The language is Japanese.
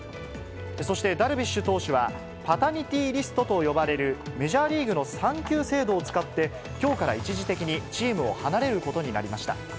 そして、ダルビッシュ投手は、パタニティ・リストと呼ばれるメジャーリーグの産休制度を使って、きょうから一時的にチームを離れることになりました。